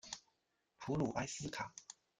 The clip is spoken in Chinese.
普卢埃斯卡。